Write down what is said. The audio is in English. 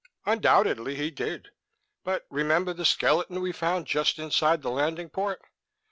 "Undoubtedly he did. But remember the skeleton we found just inside the landing port?